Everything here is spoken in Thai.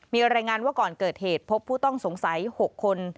มีรายงานว่าก่อนเกิดเหตุพบผู้ต้องสงสัย๖คน